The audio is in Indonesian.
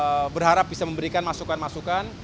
kita berharap bisa memberikan masukan masukan